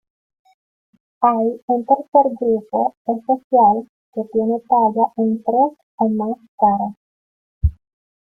Hay un tercer grupo, especial, que tiene talla en tres o más caras.